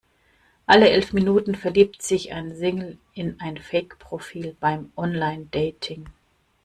Alle elf Minuten verliebt sich ein Single in ein Fake-Profil beim Online-Dating.